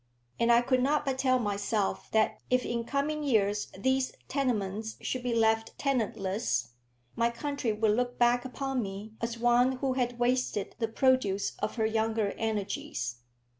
And I could not but tell myself that if in coming years these tenements should be left tenantless, my country would look back upon me as one who had wasted the produce of her young energies.